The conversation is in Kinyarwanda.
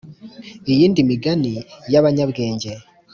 Iyindi migani y abanyabwenge